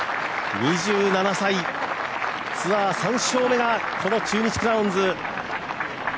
２７歳、ツアー３勝目がこの中日クラウンズ！